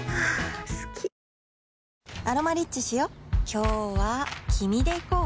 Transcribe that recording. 今日は君で行こう